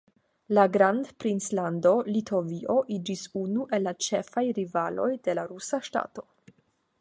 La Grandprinclando Litovio iĝis unu el ĉefaj rivaloj de la rusa ŝtato.